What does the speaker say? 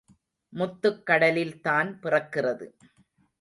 முத்துக் கடலில்தான் பிறக்கிறது.